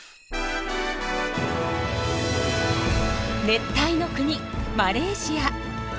熱帯の国マレーシア。